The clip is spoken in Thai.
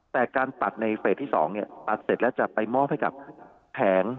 แต่การตัดในเฟสที่๒ตัดเสร็จแล้วจะไปมอบให้กับแผง